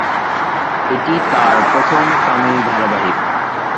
এটি তাঁর প্রথম তামিল ধারাবাহিক।